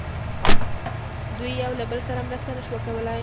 دوی یو له بل سره مرسته نه شوه کولای.